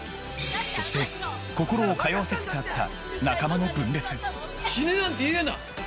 そして心を通わせつつあった仲間の分裂死ねなんて言うな！